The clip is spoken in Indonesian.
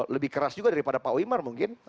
lebih keras juga daripada pak wimar mungkin